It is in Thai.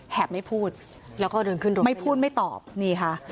ไม่พูดแล้วก็เดินขึ้นรถไม่พูดไม่ตอบนี่ค่ะ